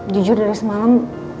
jujur dari semalam